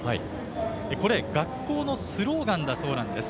これ、学校のスローガンだそうなんです。